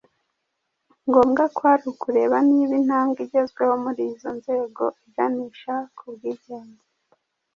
Ngombwa kwari ukureba niba intambwe igezweho muri izo nzego iganisha ku bwigenge